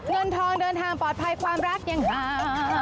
เดินทองเดินทางปลอดภัยความรักอย่างน้ำ